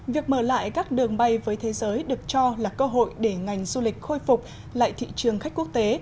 việc mở lại các đường bay với thế giới được cho là cơ hội để ngành du lịch khôi phục lại thị trường khách quốc tế